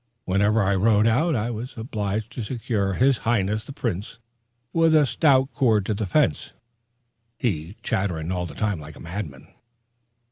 Whenever I rode out, I was obliged to secure his Highness the Prince with a stout cord to the fence, he chattering all the time like a madman.